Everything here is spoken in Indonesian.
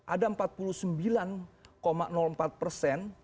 ada empat puluh sembilan empat persen